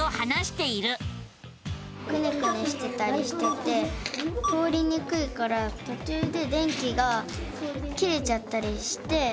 くねくねしてたりしてて通りにくいからとちゅうで電気が切れちゃったりして。